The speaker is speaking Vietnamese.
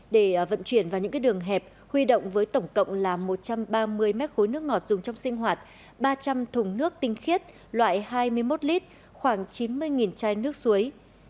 để vận chuyển vào những đường hẹp huy động với tổng cộng là một trăm ba mươi mét khối nước ngọt dùng trong sinh hoạt ba trăm linh thùng nước tinh khiết loại hai mươi một lít khoảng chín mươi chai nước suối